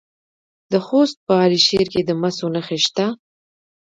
د خوست په علي شیر کې د مسو نښې شته.